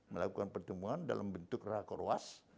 melakukan pertemuan dalam bentuk rahakor was